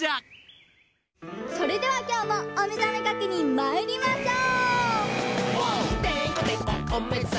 それではきょうもおめざめ確認まいりましょう！